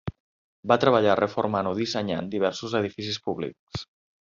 Va treballar reformant o dissenyant diversos edificis públics.